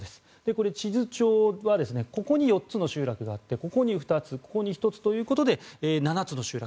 これ、地図上はここに４つの集落があってここに２つここに１つということで７つの集落。